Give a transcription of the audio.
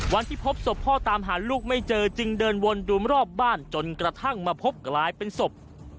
วันที่พบศพพ่อตามหาลูกไม่เจอจึงเดินวนดูมรอบบ้านจนกระทั่งมาพบกลายเป็นศพ